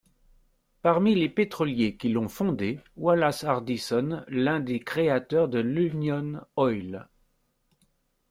Parmi les pétroliers qui l'ont fondé, Wallace Hardison, l'un des créateurs de l'Union Oil.